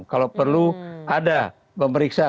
kalau perlu ada pemeriksa